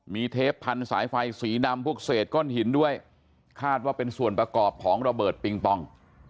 มีเทปพันสายไฟสีดำพวกเศษก้อนหินด้วยคาดว่าเป็นส่วนประกอบของระเบิดปิงปอง